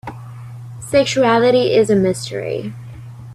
Sexuality is a mystery.